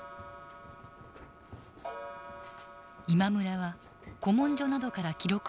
今村は古文書などから記録をかき集め